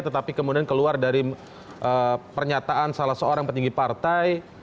tetapi kemudian keluar dari pernyataan salah seorang petinggi partai